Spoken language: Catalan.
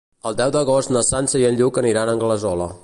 El deu d'agost na Sança i en Lluc aniran a Anglesola.